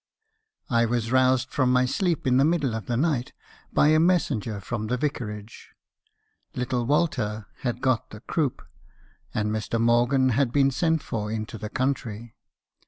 "I was roused from my sleep in the middle of the night by a messenger from the vicarage. Little Walter had got the croup, and Mr. Morgan had been sent for into the country.